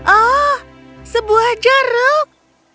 oh sebuah jeruk